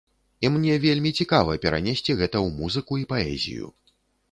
І мне вельмі цікава перанесці гэта ў музыку і паэзію.